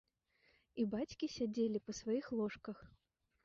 І бацькі сядзелі па сваіх ложках.